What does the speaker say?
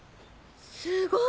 すごい！